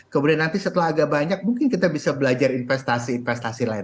kemudian nanti setelah agak banyak mungkin kita bisa belajar investasi investasi lain